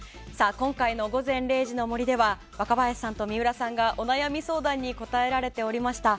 今回の「午前０時の森」では若林さんと水卜さんがお悩み相談に答えられておりました。